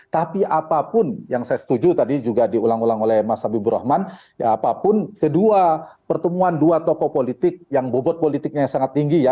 tapi apapun yang saya setuju tadi juga diulang ulang oleh mas habibur rahman ya apapun kedua pertemuan dua tokoh politik yang bobot politiknya sangat tinggi ya